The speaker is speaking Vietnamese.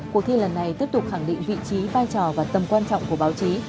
cuộc thi lần này tiếp tục khẳng định vị trí vai trò và tầm quan trọng của báo chí